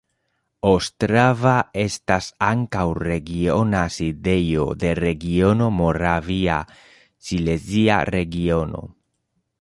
Ostrava estas ankaŭ regiona sidejo de regiono Moravia-Silezia Regiono.